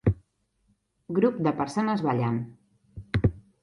Grup de persones ballant